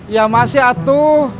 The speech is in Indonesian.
ya masih atu